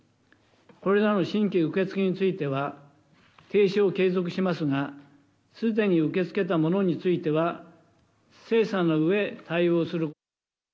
これらの新規受け付けについては、停止を継続しますが、すでに受け付けたものについては、精査のうえ、対応する。